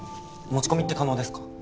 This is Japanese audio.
持ち込みって可能ですか？